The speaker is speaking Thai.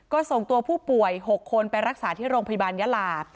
ก็ส่งตัวผู้ป่วย๖คนไปรักษาที่โรงพยาบาลยาลา